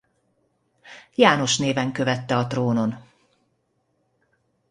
János néven követte a trónon.